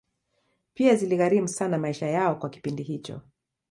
Pia ziligharimu sana maisha yao kwa kipindi hicho